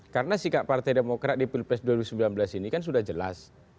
karena sikap partai demokrat di pilpres dua ribu sembilan belas ini kan sudah jelas